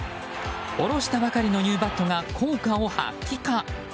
下ろしたばかりのニューバットが効果を発揮か。